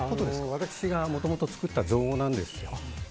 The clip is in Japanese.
私がもともと作った造語なんですよ。